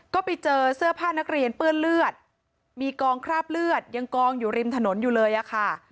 ก็ไปเจอเสื้อผ้านักเรียนเปื้อนเลือดมีกองคราบเลือดยังกองอยู่ริมถนนอยู่เลยอะค่ะ